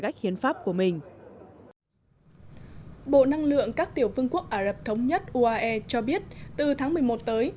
hiến pháp của mình bộ năng lượng các tiểu vương quốc ả rập thống nhất uae cho biết từ tháng một mươi một tới